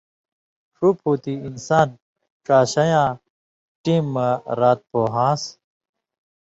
شُو پُھوتیۡ انسان چاسَیں یاں ٹېم مہ رات پُوہان٘سں